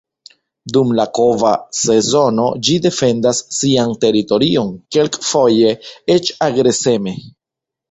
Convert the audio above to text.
Dum la kova sezono ĝi defendas sian teritorion, kelkfoje eĉ agreseme.